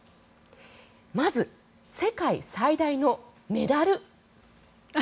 まず、世界最大のメダル。